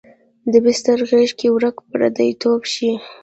د بستر غیږ کې ورک پردی توب شي